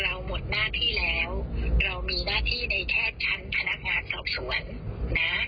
หมดหน้าที่แล้วเรามีหน้าที่ในแพทย์ชั้นพนักงานสอบสวนนะ